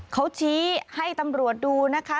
เขาชี้ให้ตำรวจดูนะคะ